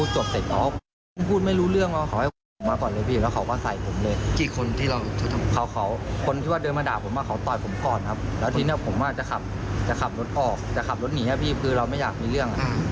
ตอนนี้พี่คือเราไม่อยากมีเรื่อง